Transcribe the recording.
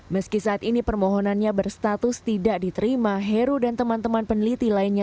meski saat ini permohonannya berstatus tidak diterima heru dan teman teman peneliti lainnya